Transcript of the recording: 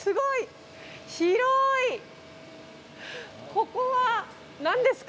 ここは何ですか？